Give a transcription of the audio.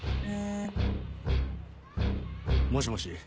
もしもし。